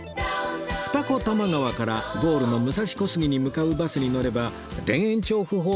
二子玉川からゴールの武蔵小杉に向かうバスに乗れば田園調布